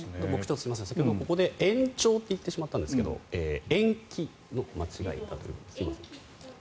先ほど、ここで延期と言ってしまったんですが延長の間違いです。